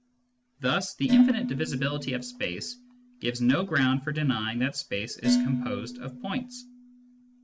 Thus the infinite divisibility of space gives no ground for denying that space is composed of points.